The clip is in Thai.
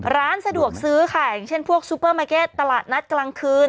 ร้านสะดวกซื้อค่ะอย่างเช่นพวกซูเปอร์มาร์เก็ตตลาดนัดกลางคืน